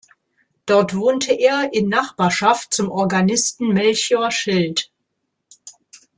Dort wohnte er in Nachbarschaft zum Organisten Melchior Schildt.